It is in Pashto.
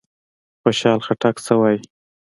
خوشحال خټک څه وايي؟